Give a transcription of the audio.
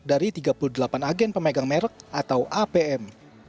dari tiga puluh delapan agen pemegang merek atau apm